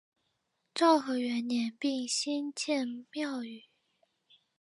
昭和元年并新建庙宇。